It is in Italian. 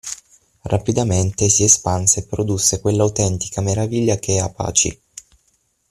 Rapidamente si espanse e produsse quell'autentica meraviglia che è Apache.